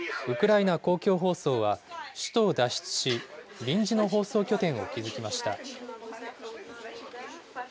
ウクライナ公共放送は首都を脱出し、臨時の放送拠点を築きました。